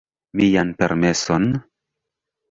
Mian permeson?